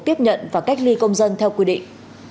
tiếp nhận và cách ly công dân theo quy định